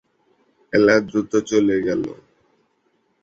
এলা দ্রুত চলে গেল।